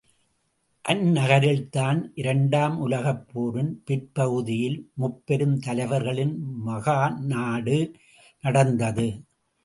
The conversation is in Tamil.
அந்நகரில்தான், இரண்டாம் உலகப் போரின் பிற்பகுதியில் முப்பெருந் தலைவர்களின் மகாநாடு நடந்தது.